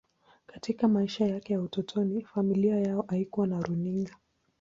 Katika maisha yake ya utotoni, familia yao haikuwa na runinga.